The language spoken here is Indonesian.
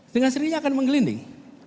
dengan sendirinya akan menggelinding